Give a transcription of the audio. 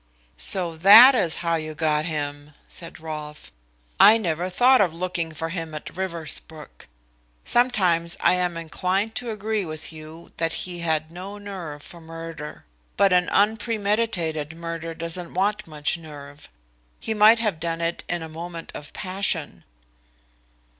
"So that is how you got him!" said Rolfe. "I never thought of looking for him at Riversbrook. Sometimes I am inclined to agree with you that he had no nerve for murder. But an unpremeditated murder doesn't want much nerve. He might have done it in a moment of passion."